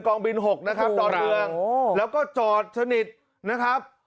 องบิน๖นะครับดอนเมืองแล้วก็จอดสนิทนะครับ